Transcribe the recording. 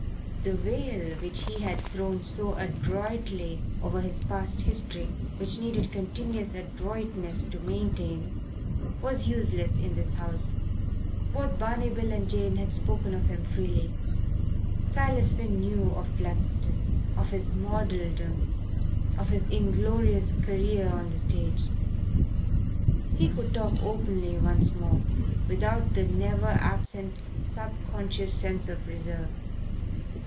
The veil which he had thrown so adroitly over his past history, which needed continuous adroitness to maintain, was useless in this house. Both Barney Bill and Jane had spoken of him freely. Silas Finn knew of Bludston, of his modeldom, of his inglorious career on the stage. He could talk openly once more, without the never absent subconscious sense of reserve.